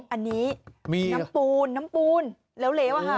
อันนี้น้ำปูนแล้วเลวค่ะ